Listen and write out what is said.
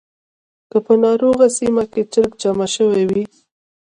که په ناروغۍ سیمه کې چرک جمع شوی وي.